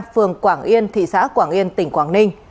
phường quảng yên thị xã quảng yên tỉnh quảng ninh